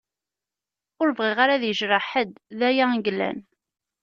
Ur bɣiɣ ara ad yejreḥ ḥedd, d aya i yellan.